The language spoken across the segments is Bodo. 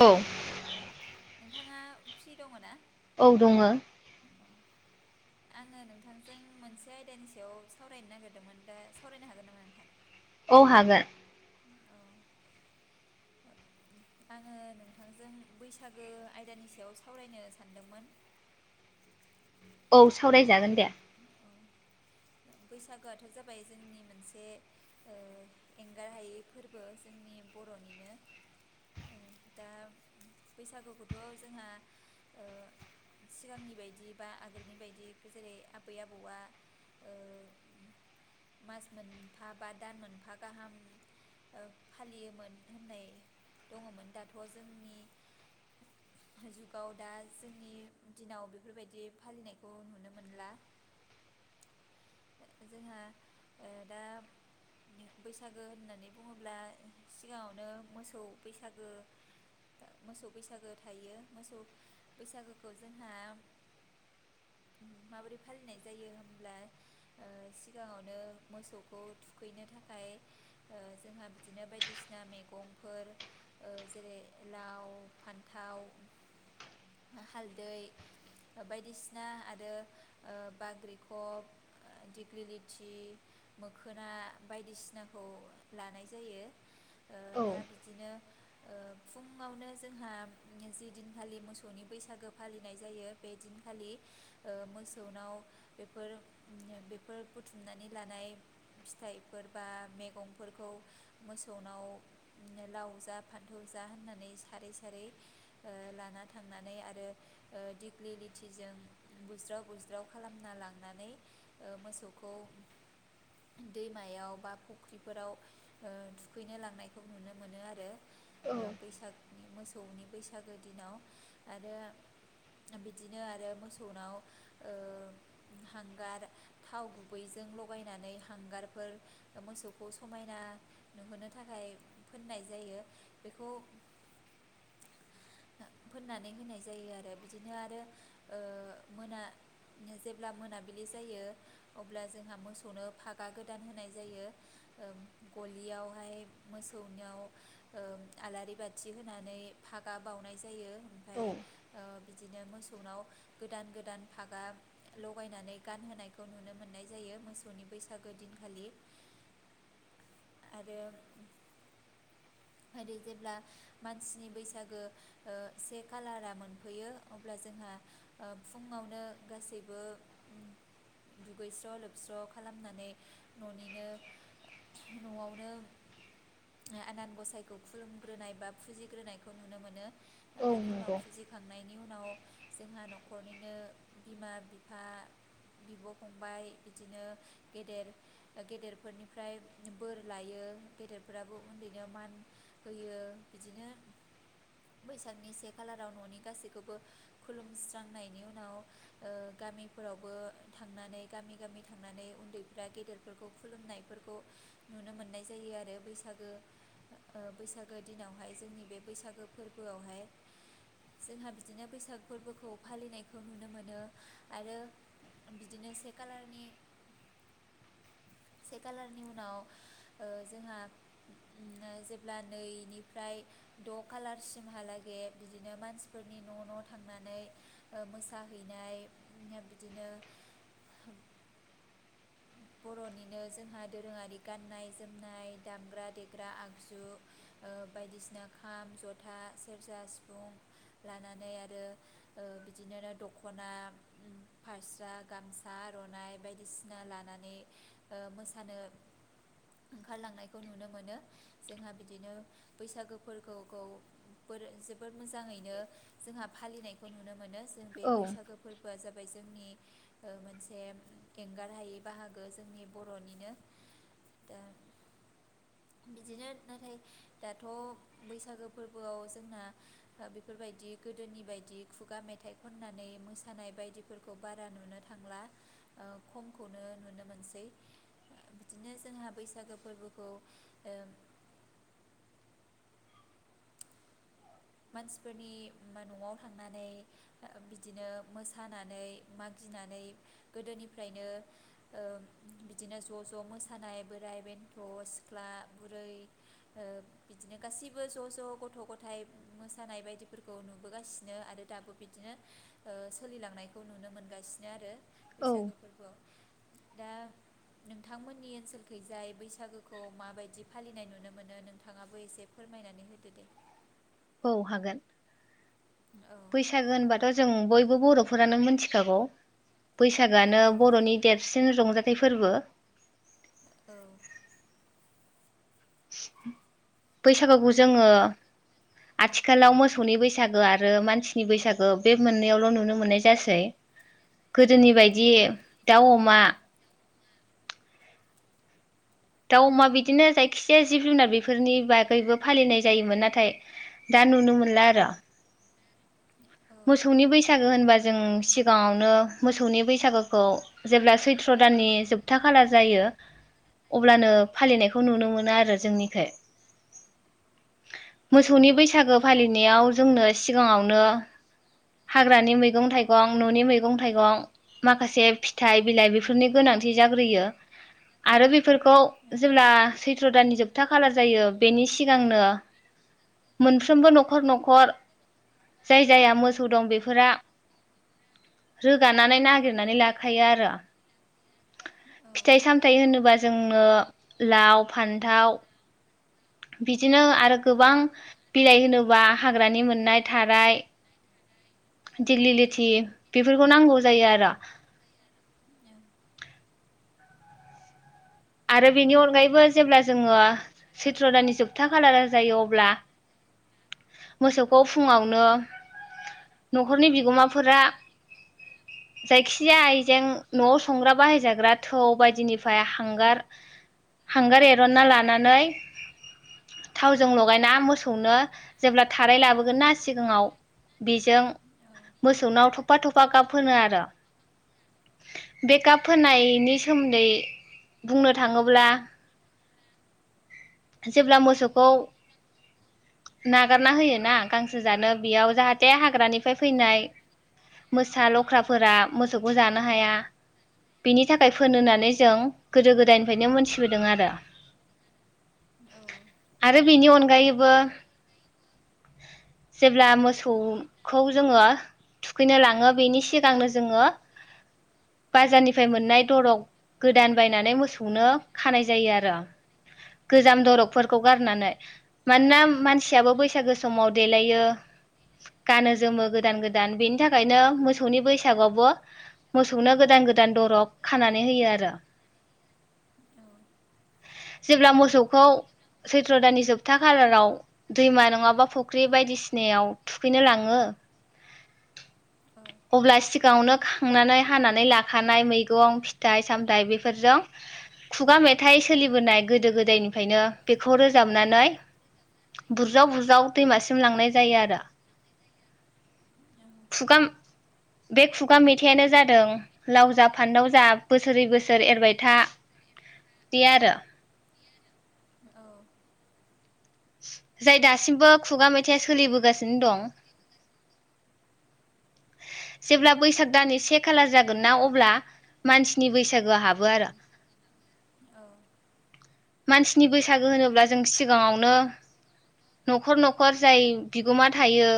औ। औ नोंथाङा फ्रि दंङना? औ दंङ। औ आङो नोंथांजों मोनसे आयदानि सायाव सावरायनो नागिरदोंमोन दा सावरायनो हागोन नामा नोंथां? औ हागोन। आङो नोंथांजों बैसागो आयदानि सायाव सावरायनो सानदोंमोन। औ सावरायजागोन दे। बैसागुआथ' जाबाय जोंनि मोनसे ओ एंगार हायै फोरबो, जोंनि बर'निनो, दा बैसागुखौथ' जोंहा ओ सिगांनि बायदि बा आगोलनि बायदि जेरै आबै आबौआ ओ मास मोनफा बा दान मोनफा गाहाम ओ फालियोमोन होननाय दङमोन, दाथ' जोंनि जुगाव दा जोंनि दिनाव बेफोरबायदि फालिनायखौ नुनो मोन मोनला, जोंहा ओ दा बैसागो होननानै बुङोब्ला सिगाङावनो मोसौ बैसागो मोसौ बैसागो थायो मोसौ बैसागोखौ जोंहा माबोरै फालिनाय जायो होमब्ला? ओ सिगाङावनो मोसौखौ थुखैनो थाखाय। ओ जोंहा बिदिनो बायदिसिना मैगंफोर ओ जेरै लाव फान्थाव हालदै बायदिसिना आ आरो ओ बाग्रिखब दिगिलि लिथि मोखोना बायदिसिनाखौ लानाय जायो। ओ औ दा बिदिनो ओ फुंङावनो जोंहा जि दिनखालि मोसौनि बैसागो फालिनाय जायो बै दिनखालि ओ मोसौनाव बेफोर बेफोर बुथुमनानै लानाय फिथाइफोर बा मैगंफोरखौ मोसौनाव लाव जा फान्थाव जा होननानै सारै सारै ओ लाना थांनानै आरो ओ दिग्लि लथिजों बुज्राव बुज्राव खालामना लांनानै ओ मोसौखौ दैमायाव बा फुख्रिफोराव ओ थुखैनो लांनायखौ नुनो मोनो आरो। औ ओ बैसागनि मोसौ मोसौनि बैसागो दिनाव आरो बिदिनो आरो मोसौ मोसौनाव ओ हांगार थाव गुबैजों लगायनानै हांगारफोर मोसौखौ समायना नुहोनो थाखाय फोननाय जायो बेखौ हो फोननानै होनाय जायो आरो बिदिनो आरो ओ मोना जेब्ला मोनाबिलि जायो अब्ला जोंहा मोसौनो फागा गोदान होनाय जायो ओ गलियावहाय मोसौनियाव ओ आलारि ओ बाथि होनानै फागा बावउनाय जायो। ओमफाय औ। ओ बिदिनो मोसौनाव गोदान गोदान फागा लगायनानै गानहोनायखौ नुनो मोननाय जायो मोसौनि बैसागो दिनखालि आरो ओरै जेब्ला मानसिनि बैसागो ओ से खालारा मोनफैयो अब्ला जोंहा ओ फुङावनो गासैबो दुगैस्र' लोबस्र' खालामनानै न'निनो न'आवनो आनान गसायखौ खुलुमग्रोनाय बा फुजिग्रोनायखौ नुनो मोनो। औ बेनि उनाव नंगौ फुजिखांनायनि बेनि उनाव जोंहा न'ख न'खरनिनो बिमा बिफा बिब' फंबाय बिदिनो गेदर गेदेरफोरनिफ्राय बोर लायो गेदेरफोराबो उन्दैनो मान होयो बिदिनो बैसागनि से खालाराव न'नि गासैखौबो खुलुमस्रा नायनि उनावो ओ गामिफोरावबो थांनानै गामि गामि थांनानै उन्दैफ्रा गेदेरफोरखौ खुलुमनायफोरखौ नुनो मोननाय जायो आरो बैसागो ओ बैसागो दिनावहाय जोंनि बे बैसागो फोरबोआवहाय जोंहा बिदिनो बैसागो फोरबोखौ फालिनायखौ नुनो मोनो आरो बिदिनो से खालारनि से खालारनि उनाव ओ जोंहा जेब्ला ओ नैनिफ्राय द' खालारसिमहालागै बिदिनो मानसिफोरनि न' न' थांनानै ओ मोसाहैनाय उम्म बिदिनो बर'निनो जोंहा दोरोङारि गाननाय, जोमनाय दामग्रा, देग्रा, आगजु ओ बायदिसिना खाम, जथा, सेरजा, सिफुं लानानै आरो ओ बिदिनो दख'ना, फास्रा, गामसा, र'नाय बायदिसिना ला नानै ओ मोसानो ओंखारलांनायखौ नुनो मोनो। जोंहा बिदिनो बैसागोफोरखोखौ फोर जोबोर मोजाङैनो जोंहा फालिनायखौ नुनो मोनो। जों बे औ बैसागो फोरबोआ जाबाय फाय जोंनि ओ मोनसे एंगारहायै बाहागो जोंनि बर'निनो दा बिदिनो नाथाय दाथ' बैसागो फोरबोआव जोंना बेफोरबायदि गोदोनि बायदि खुगा मेथाइ खननानै मोसानाय बायदिफोरखौ बारा नुनो थांला ओ खम खौनो नुनो मोनसै बिदिनो जोंहा बैसागो फोरबोखौ ओ मानसिफोरनि मा न'आव थांनानै। ओ बिदिनो मोसानानै, मागिनानै गोदोनिफ्रायनो ओ बिदिनो ज' ज' मोसानाय बोराइ बेन्थ' सिख्ला, बुरै ओ बिदिनो गासैबो ज' ज' गथ' गथाय मोसानाय बायदिफोरखौ नुबोगासिनो आरो दाबो बिदिनो ओ सोलिलांनायखौ नुनो मोनगासिनो आरो। बैसागो फोरबोआव दा नोंथांमोननि ओनसोलखैजाय बैसागोखौ माबायदि फालिनाय नुनो मोनो नोंथाङाबो एसे फोरमायनानै होदो दे। औ हागोन। औ बैसागो होनबाथ' जों बयबो बो बर'फोरानो मिथिखागौ। बैसागोआनो औ बर'नि देरसिन रंजा थाइ फोरबो औ। बैसागुखौ जोङो आथिखालाव मोसौनि बैसागो आरो मानसिनि बैसागो बे मोननैआवल' नुनो मोननाय जासै। गोदोनि औ बायदि दाउ अमा मा दाउ अमा बिदिनो जायखिजाया जिब जुनार बेफोरनि बागैबो फालिनाय जायोमोन नाथाय दा नुनो मोनला आरो। मोसौनि बैसागो होनबा जों सिगाङावनो मोसौनि बैसागोखौ जेब्ला सैथ्र' दाननि जोबथा खाला जायो, अब्लानो फालिनायखौ नुनो मोनो आरो जोंनिखै। मोसौनि बैसागोआव फालिनायाव जोंनो सिगाङावनो हाग्रानि मैगं थाइगं न'नि मैगं थाइगं माखासे फिथाइ बिलाइ बेफोरनि गोनांथि जाग्रोयो आरो बेफोरखौ औ जेब्ला सैथ्र' दाननि जोबथा खालार जायो बेनि सिगांनो मोनफ्रोमबो न'खर न'खर जाय जाया मोसौ दं बेफोरा रोगानानै नागिरनानै लाखायो आरो फिथाइ सामथाय होनोबा जोंनो लाव, फान्थाव बिदिनो आरो गोबां बिलाइ होनोबा हाग्रानि मोननाय थाराय दिग्लि लिथि बेफोरखौ नांगौ जायो आरो। आरो बेनि अनगायैबो जेब्ला जोङो सैथ्र' दाननि जोबथा खालारा जायो। अब्ला मोसौखौ फुङावनो न'खरनि बिगोमाफोरा जायखिजाया आइजें न'आव संग्रा बाहायजाग्रा थौ बायदिनिफाय हांगार हांगार एर'नना लानानै थावजों लगायना मोसौनो जेब्ला थाराय लाबोगोन ना सिगाङाव बेजों मोसौनाव थ'फा थ'फा गाब फोनो आरो। बे गाब फोनायनि सोमोन्दै बुंनो थाङोब्ला जेब्ला मोसौखौ नागारना होयो ना गांसो जानो बेयाव जाहाथे हाग्रानिफ्राय फैनाय मोसा लख्राफोरा मोसौखौ जानो हाया बिनि थाखाय फोननानै जों गोदो गोदायनिफ्रायनो मोनथिबोदों आरो। आरो बिनि अन गायैबो जेब्ला मोसौखौ जोङो थुखैनो लाङो बेनि सिगांनो जोङो बाजारनिफ्राय मोननाय दरग गोदान बायनानै मोसौनो खानाय जायो आरो। गोजाम दरकफोरखौ गारनानै। मानोना मानसियाबो बैसागो समाव देलायो गानो जोमो गोदान गोदान बेनि थाखायनो मोसौनि बैसागआवबो मोसौनो गोदान गोदान दरग खानानै होयो आरो। जेब्ला मोसौखौ सैथ्र' दाननि जोबथा खालाराव दैमा नङाबा फुख्रि बायदिसिनायाव थुखैनो लाङो अब्ला सि गावनो खांनानै हानानै लाखानाय मैगं फिथाइ सामथाय बे फोरजों खुगा मेथाइ सोलिबोनाय गोदो गोदायनिफ्रायनो बेखौ रोजाबनानै बुरजाव बुरजाव दैमासिम लांनाय जायो आरो। खुगा बे खुगा मेथाइनो जादों लाव जा फानदाव जा बोसोरै बोसोर बोसोर एरबाय था बे आरो। औ जाय दासिमबो खुगा मेथाइया सोलिबोगासिनो दं। जेब्ला बैसाग दाननि से खालार जागोन ना अब्ला मानसिनि बैसागोआ हाबो आरो। औ। मानसिनि बैसागो होनोब्ला जों सिगाङावनो न'खर न'खर जाय बिगोमा थायो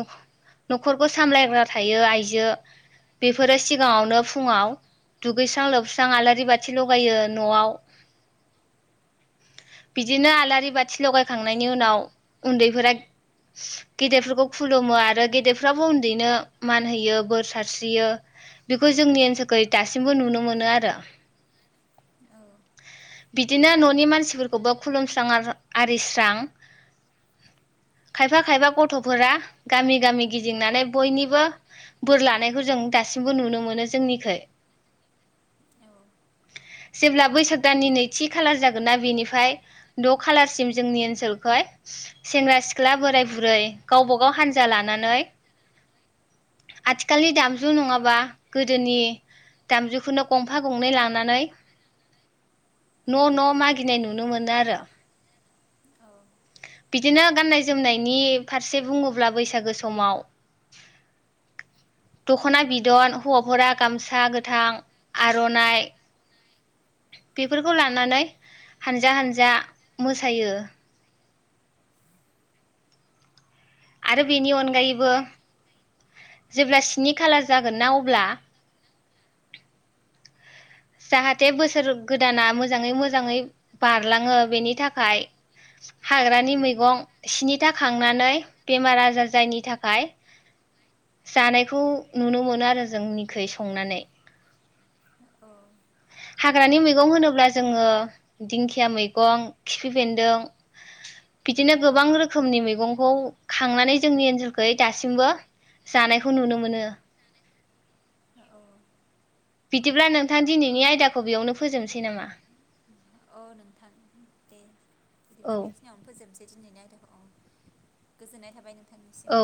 नख-न'खरखौ सामलायग्रा थायो आइजो। बेफोरो सिगाङावनो फुङाव दुगैस्रां लोबस्रां आलारि बाथि लगायो न'आव बिदिनो आलारि बाथि लगायखांनायनि उनाव उन्दैफोरा गेदेरफोरखौ खुलुमो आरो गेदेरफ्राबो उन्दैनो मान होयो बोर सारस्रियो बेखौ जोंनि ओनसोलखौ दासिमबो नुनो मोनो आरो। औ बिदिनो न'नि मानसिफोरखौबो खुलुमस्रां आर आरिस्रां खायफा खायफा गथ'फोरा गामि गामि गिदिंनानै बयनिबो बोर लानायखौ जों दासिमबो नुनो मोनो जोंनिखै। जेब्ला बैसाग दाननि नै थि खालार जागोन नना बेनिफ्राय द' खालारसिम जोंनि ओनसोलखाय सेंग्रा सिख्ला बोराय बुरै गावब गाव हानजा लानानै आथिखालनि दामजु नङाबा गोदोनि दामजुखौनो गंफा गंनै लानानै न' न' मागिनाय नुनो मोनो आरो। बिदिनो गाननाय जोमनायनि फारसे बुङोब्ला बैसागो समाव दख'ना बिदन हौवाफोरा गामसा गोथां, आर'नाइ बेफोरखौ लानानै हानजा हानजा मोसायो आरो बेनि अनगायैबो जेब्ला स्नि खालार जागोन ना अब्ला जाहाथे बोसोर गोदाना मोजाङै मोजाङै बारलाङो बेनि थाखाय हाग्रानि मैगं स्निथा खांनानै बेमार आजार जायि थाखाय जानायखौ नुनो मोनो आरो जोंनिखु संनानै। औ। हाग्रानि मैगं होनोब्ला जोङो दिंखिया मैगं खिफिफेन्दों बिदिनो गोबां रोखोमनि मैगंखौ खांनानै जोंनि ओनसोलखै दासिमबो जानायखौ नुनो मोनो। औ। बिदिब्ला नों थां दिनैनि आयदाखौ बेयावनो फोजोबनोसै नामा? नोंथां औ। दिनैनो आयदा औ गोजोननाय थाबाय नों औ।